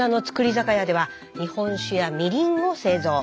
酒屋では日本酒やみりんを製造。